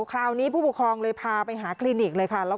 คราวนี้ผู้ปกครองเลยพาไปหาคลินิกเลยค่ะ